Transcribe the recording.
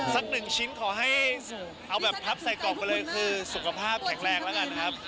สักหนึ่งชิ้นขอให้ผับใส่กรอกไปเลยคือสุขภาพแข็งแรงแล้วนะครับ